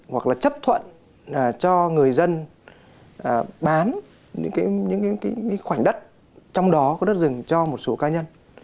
hoặc là chấp thuận cho người dân bán những khoảnh đất trong đó có đất rừng cho một số cá nhân